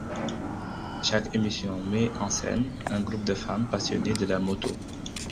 Chaque émission met en scène un groupe de femmes passionnées de la moto.